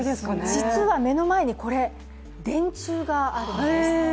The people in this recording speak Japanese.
実は目の前に電柱があるんです。